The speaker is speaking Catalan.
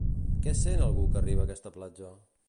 Què sent algú que arriba a aquesta platja?